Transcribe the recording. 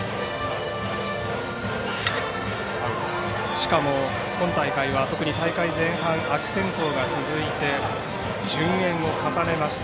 しかも今大会は特に大会前半、悪天候が続いて順延を重ねました。